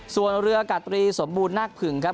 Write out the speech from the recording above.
ส่วนเรือกาตรีสมบูรณ์น่าผึ่งครับ